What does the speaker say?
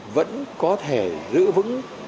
vẫn có thể giữ vững